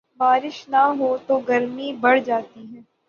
بارش نہ ہوتو گرمی بڑھ جاتی ہے۔